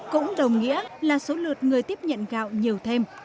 cũng đồng nghĩa là số lượt người tiếp nhận gạo nhiều thêm